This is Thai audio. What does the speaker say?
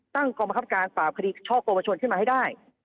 ตั้งกรรมการปราบคดีช่อกงประชนขึ้นมาให้ได้